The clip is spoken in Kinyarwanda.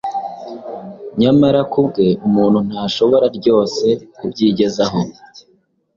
Nyamara kubwe umuntu ntashobora ryose kubyigezaho